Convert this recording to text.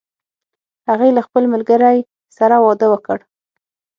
هغې له خپل ملګری سره واده وکړ